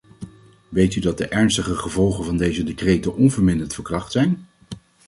Weet u dat de ernstige gevolgen van deze decreten onverminderd van kracht zijn?